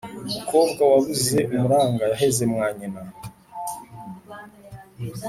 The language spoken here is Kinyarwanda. Umukobwa wabuze umuranga yaheze mwa nyina.